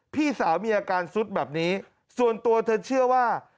พี่สาวมีอาการซุดแบบนี้ส่วนตัวเธอเชื่อว่า